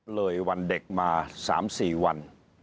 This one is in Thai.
วันเด็กมา๓๔วัน